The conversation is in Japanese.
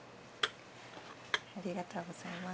ありがとうございます。